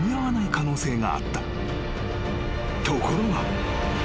［ところが］